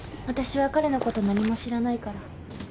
私は彼のこと何も知らないから。